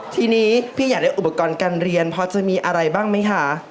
ทีนี้พี่อยากได้อุปกรณ์การเรียนพอจะมีอะไรบ้างไหมคะ